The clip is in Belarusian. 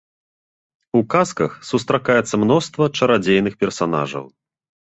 У казках сустракаецца мноства чарадзейных персанажаў.